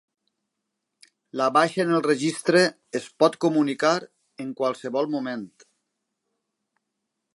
La baixa en el Registre es pot comunicar en qualsevol moment.